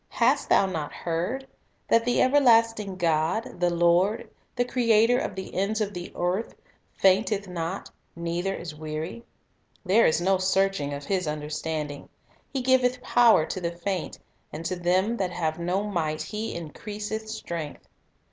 hast thou not heard, that the everlasting God, the Lord, the Creator of the ends of the earth, fainteth not, neither is weary? there is no searching of His understanding. He giveth power to the faint; and to them that have no might He increaseth strength."